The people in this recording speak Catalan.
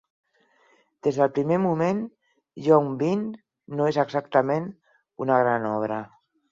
Des del primer moment, Young-bin no és exactament una gran obra.